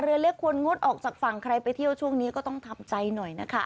เรือเล็กควรงดออกจากฝั่งใครไปเที่ยวช่วงนี้ก็ต้องทำใจหน่อยนะคะ